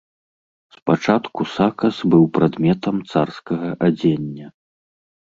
Спачатку сакас быў прадметам царскага адзення.